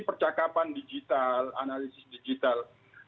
percakapan digital analisis digital